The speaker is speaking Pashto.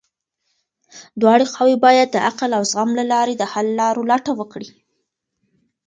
دواړه خواوې بايد د عقل او زغم له لارې د حل لارو لټه وکړي.